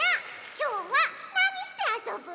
きょうはなにしてあそぶ？